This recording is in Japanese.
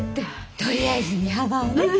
とりあえず身幅をね。